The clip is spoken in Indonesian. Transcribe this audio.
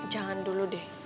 jangan dulu deh